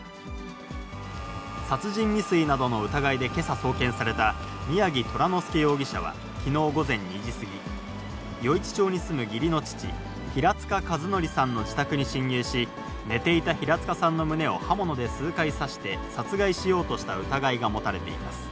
殺人未遂などの疑いでけさ送検された、宮城虎ノ介容疑者はきのう午前２時過ぎ、余市町に住む義理の父、平塚和則さんの自宅に侵入し、寝ていた平塚さんの胸を刃物で数回刺して、殺害しようとした疑いが持たれています。